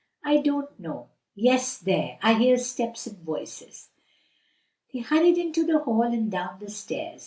"I don't know. Yes, there! I hear steps and voices." They hurried into the hall and down the stairs.